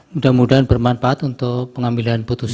mudah mudahan bermanfaat untuk pengambilan putusan